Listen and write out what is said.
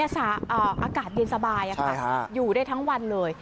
อากาศเย็นสบายอยู่ได้ทั้งวันเลย